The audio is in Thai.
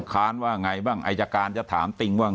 ถึงเวลาศาลนัดสืบเนี่ยไปนั่ง๖คนแล้วจดมาว่าไอจการจะซักพยานว่าอย่างไรบ้าง